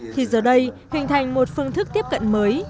thì giờ đây hình thành một phương thức tiếp cận mới